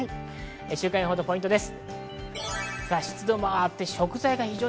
週間予報とポイントです。